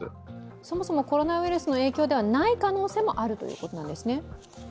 そもそもコロナウイルスの影響ではない可能性もあるということなんですね？